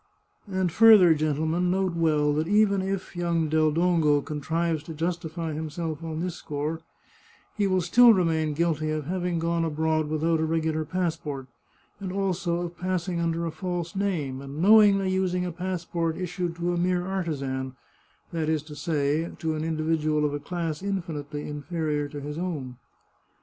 And further, gentlemen, note well, that even if young Del Dongo contrives to justify himself on this point, he will still remain guilty of having gone abroad Without a regular passport, and also of passing under a false name, and knowingly using a passport issued to a mere artisan — 87 The Chartreuse of Parma that is to say, to an individual of a class infinitely inferior to his own."